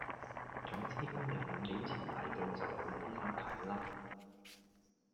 總之今日五點前嚟到就有醫生睇啦